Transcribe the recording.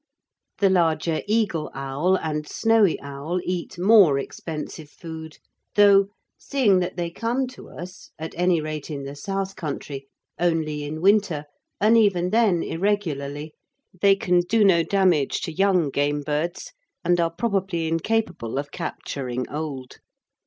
The larger eagle owl, and snowy owl eat more expensive food, though, seeing that they come to us at any rate in the south country only in winter, and even then irregularly, they can do no damage to young game birds, and are probably incapable of capturing old.